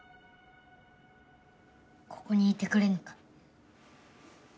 ここにいてくれぬか？